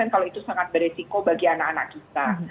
kalau itu sangat beresiko bagi anak anak kita